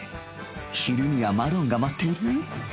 昼にはマロンが待っている！